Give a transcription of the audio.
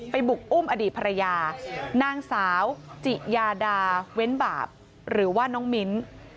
บุกอุ้มอดีตภรรยานางสาวจิยาดาเว้นบาปหรือว่าน้องมิ้น